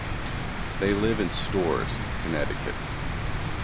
They live in Storrs, Connecticut.